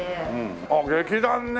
ああ劇団ね！